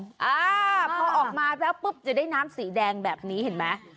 อ่าพอออกมาแล้วปุ๊บจะได้น้ำสีแดงแบบนี้เห็นไหม